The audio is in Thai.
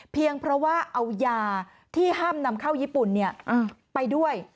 เพราะว่าเอายาที่ห้ามนำเข้าญี่ปุ่นไปด้วย